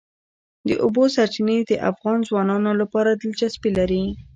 د اوبو سرچینې د افغان ځوانانو لپاره دلچسپي لري.